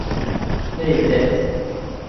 হেই, jazz.